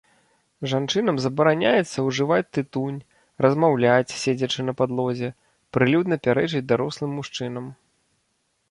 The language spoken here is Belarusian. Жанчынам забараняецца ўжываць тытунь, размаўляць, седзячы на падлозе, прылюдна пярэчыць дарослым мужчынам.